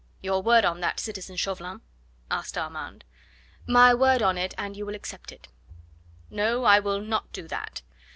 "Your word on that, citizen Chauvelin?" asked Armand. "My word on it an you will accept it." "No, I will not do that.